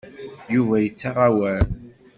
Yuba yettaɣ awal.